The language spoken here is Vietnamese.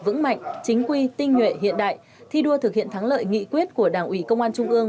vững mạnh chính quy tinh nhuệ hiện đại thi đua thực hiện thắng lợi nghị quyết của đảng ủy công an trung ương